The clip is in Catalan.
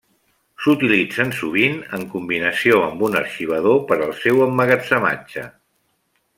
S'utilitzen sovint en combinació amb un arxivador per al seu emmagatzematge.